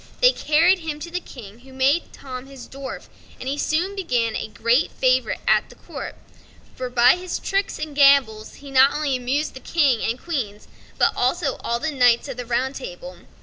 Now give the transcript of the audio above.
They carried him to the King, who made Tom his dwarf, and he soon became a great favorite at court; for by his tricks and gambols he not only amused the King and Queen, but also the Knights of the Round Table.